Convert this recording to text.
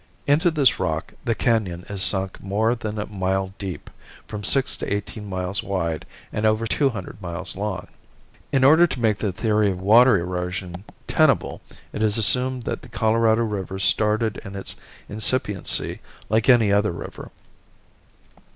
Into this rock the canon is sunk more than a mile deep, from six to eighteen miles wide and over two hundred miles long. In order to make the theory of water erosion tenable it is assumed that the Colorado river started in its incipiency like any other river.